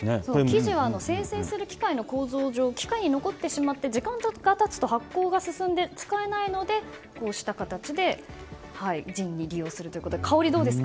生地は生成する機械の構造上機械に残ってしまって時間が経つと発酵が進んで使えないのでこうした形でジンに利用すると。